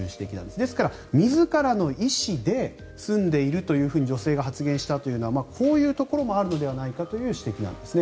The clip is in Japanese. ですから、自らの意思で住んでいるというふうに女性が発言したというのはこういうところもあるのではないかという指摘もあるんですね。